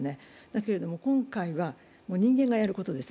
だけれども、今回は人間がやることです。